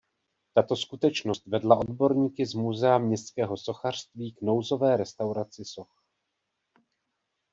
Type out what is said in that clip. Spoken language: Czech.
Tato skutečnost vedla odborníky z Muzea městského sochařství k nouzové restauraci soch.